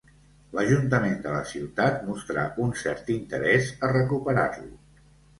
L'ajuntament de la ciutat mostrà un cert interès a recuperar-lo.